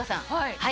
はい。